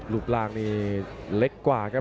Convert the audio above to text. รูปรางเนี่ยล็กกว่ากันครับ